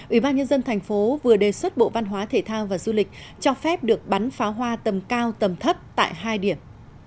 ủy ban nhân dân thành phố vừa đề xuất bộ văn hóa thể thao và du lịch cho phép được bắn pháo hoa tầm cao tầm thấp tại hai điểm